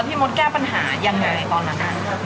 แล้วพี่มดแก้ปัญหาอย่างไรตอนนั้นค่ะ